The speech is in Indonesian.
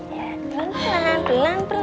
ya pelan pelan pelan pelan